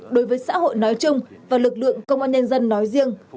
đối với xã hội nói chung và lực lượng công an nhân dân nói riêng